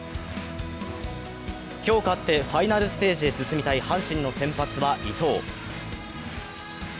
今日勝ってファイナルステージへ進みたい阪神の先発は伊藤。